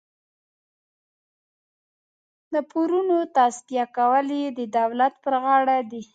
د پورونو تصفیه کول یې د دولت پر غاړه دي.